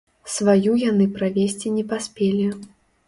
Сваю яны правесці не паспелі.